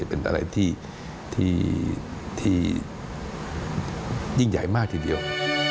เป็นอะไรที่ยิ่งใหญ่มากทีเดียว